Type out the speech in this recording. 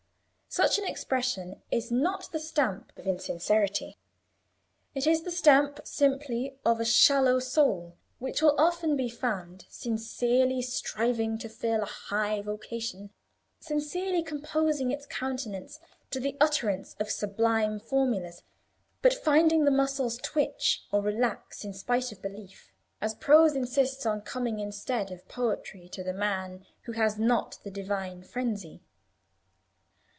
Such an expression is not the stamp of insincerity; it is the stamp simply of a shallow soul, which will often be found sincerely striving to fill a high vocation, sincerely composing its countenance to the utterance of sublime formulas, but finding the muscles twitch or relax in spite of belief, as prose insists on coming instead of poetry to the man who has not the divine frenzy.